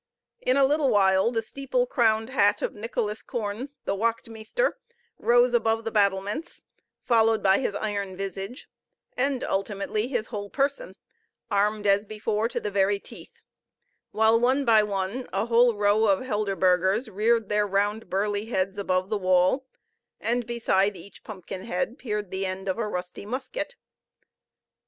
In a little while the steeple crowned hat of Nicholas Koorn, the wacht meester, rose above the battlements, followed by his iron visage, and ultimately his whole person, armed, as before, to the very teeth; while one by one a whole row of Helderbergers reared their round burly heads above the wall, and beside each pumpkin head peered the end of a rusty musket.